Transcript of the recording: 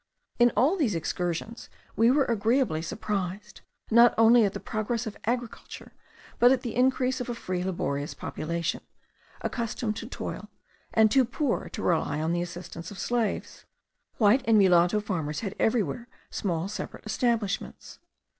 In all these excursions we were agreeably surprised, not only at the progress of agriculture, but at the increase of a free laborious population, accustomed to toil, and too poor to rely on the assistance of slaves. White and mulatto farmers had everywhere small separate establishments.